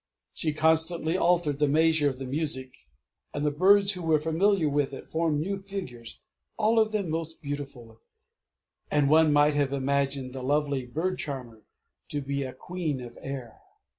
She constantly altered the measure of the music, and the Birds who were familiar with it formed new figures all of them most beautiful; and one might have imagined the lovely Bird Charmer to be a Queen of Air!